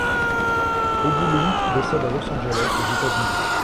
Eddie Lund décède à Los Angeles aux États-Unis.